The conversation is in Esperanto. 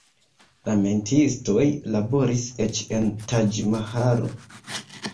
La metiistoj laboris eĉ en Taĝ-Mahalo.